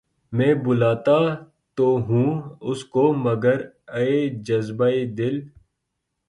میں بلاتا تو ہوں اس کو مگر اے جذبہ ِ دل